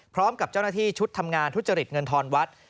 พร้อมกับเจ้าหน้าที่ชุดทำงานทุจริตเงินทอนวัด